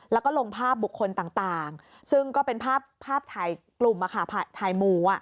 แล้วก็ลงภาพบุคคลต่างซึ่งก็เป็นภาพถ่ายกลุ่มถ่ายหมู